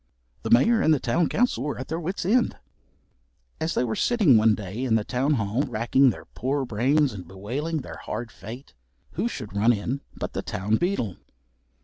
The Mayor and the town council were at their wits' end. As they were sitting one day in the town hall racking their poor brains, and bewailing their hard fate, who should run in but the town beadle.